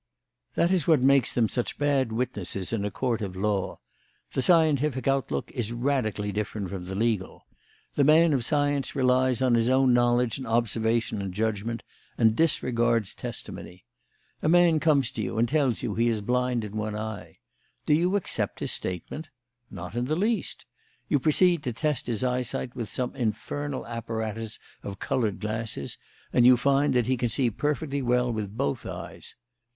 That is what makes them such bad witnesses in a court of law. The scientific outlook is radically different from the legal. The man of science relies on his own knowledge and observation and judgment, and disregards testimony. A man comes to you and tells you he is blind in one eye. Do you accept his statement? Not in the least. You proceed to test his eyesight with some infernal apparatus of coloured glasses, and you find that he can see perfectly well with both eyes.